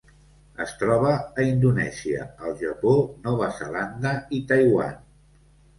Es troba a Indonèsia, el Japó, Nova Zelanda i Taiwan.